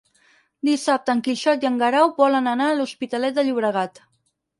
Dissabte en Quixot i en Guerau volen anar a l'Hospitalet de Llobregat.